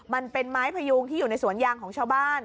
มันเป็นไม้พยุงที่อยู่ในสวนยางของชาวบ้าน